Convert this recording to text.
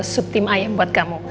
soup tim ayam buat kamu